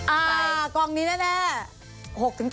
อ่ากองนี้แน่